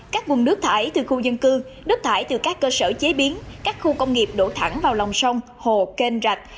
các vùng nước thải từ khu dân cư nước thải từ các cơ sở chế biến các khu công nghiệp đổ thẳng vào lòng sông hồ kênh rạch